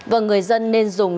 vâng người dân nên dùng